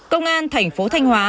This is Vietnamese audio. công an thành phố thanh hóa